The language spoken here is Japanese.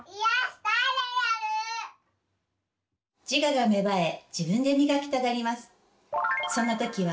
自我が芽生え自分で磨きたがります。